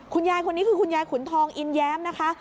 คุณยายคนนี้คือคุณยายขุนทองอินแย้มนะคะ